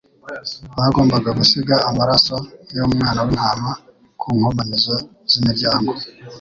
bagombaga gusiga amaraso y'umwana w'intama ku nkomanizo z'imiryango.